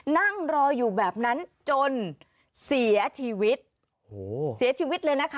นั่งรออยู่แบบนั้นจนเสียชีวิตโอ้โหเสียชีวิตเลยนะคะ